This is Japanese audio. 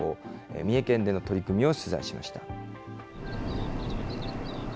三重県での取り組みを取材しました。